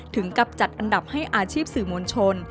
ถึงกับจัดอันดับให้อาชีพสื่อมวลชน